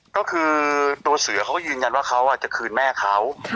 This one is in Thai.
ก็คือตัวเสือเขาก็ยืนยันว่าเขาจะคืนแม่เขา